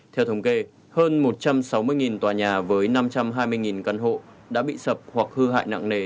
theo thống kê hơn một trăm sáu mươi tòa nhà với năm trăm hai mươi căn hộ đã bị sập hoặc hư hại nặng nề